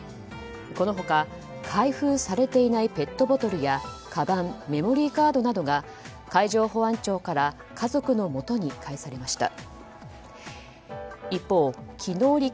この他、開封されていないペットボトルやかばん、メモリーカードなどが海上保安庁から家族のもとに返されました。